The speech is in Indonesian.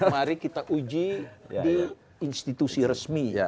mari kita uji di institusi resmi